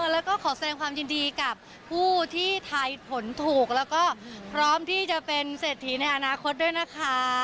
แล้วก็ขอแสดงความยินดีกับผู้ที่ทายผลถูกแล้วก็พร้อมที่จะเป็นเศรษฐีในอนาคตด้วยนะคะ